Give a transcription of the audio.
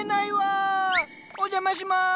お邪魔します。